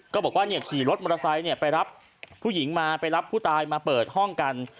ก็บอกว่าขี่รถมอเตอร์ไซค์ไปรับผู้หญิงมาไปรับผู้ตายมาเปิดห้องกัน